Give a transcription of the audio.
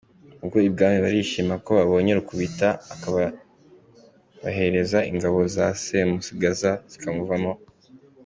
Ubwo ibwami barishima kuko babonye Rukubita akazabarehereza ingabo za Semugaza zikamuvaho.